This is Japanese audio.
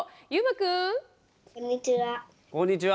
こんにちは。